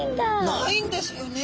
ないんですよね。